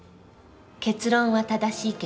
結論は正しいけど。